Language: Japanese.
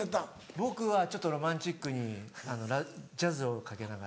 僕はちょっとロマンチックにジャズをかけながら。